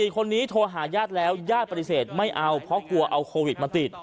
๔คนนี้โทรหาญาติแล้วญาติปฏิเสธไม่เอาเพราะกลัวเอาโควิดมาติด